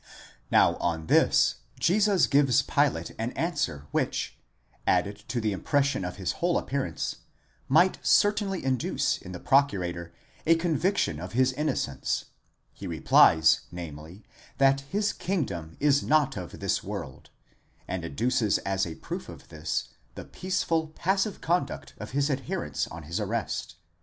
Now on this Jesus gives Pilate an answer which, added to the impression of his whole appearance, might certainly induce in the Procurator a conviction of his in nocence. He replies, namely, that his &¢agdom βασιλεία is not of this world ἐκ τοῦ κόσμου τούτου, and adduces as a proof of this, the peaceful, passive con duct of his adherents on his arrest (v.